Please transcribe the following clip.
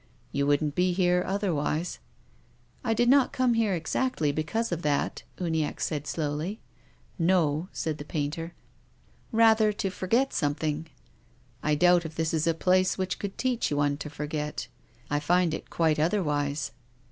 " You wouldn't be here otherwise." " I did not come here exactly because of that," Uniacke said slowly. " No," said the painter. 12 TONGUES OF CONSCIENCE. " Rather to forget something." " I doubt if this is a place which could teach one to forget. I find it quite otherwise."